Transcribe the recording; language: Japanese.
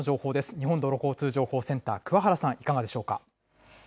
日本道路交通情報センター、くわ原さん、いかがでしょうか。